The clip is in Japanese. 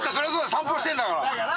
散歩してんだから。